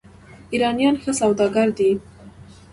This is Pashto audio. ایرانیان ښه سوداګر دي.